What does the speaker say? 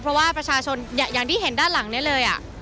เพราะว่าประชาชนอย่างที่เห็นด้านหลังนี้เลย